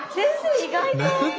意外と。